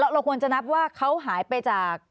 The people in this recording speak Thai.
เราควรจะนับว่าเขาหายไปจาก